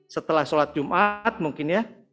setelah sholat jumat mungkin ya